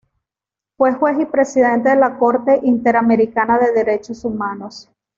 Fue juez y presidente de la Corte Interamericana de Derechos Humanos.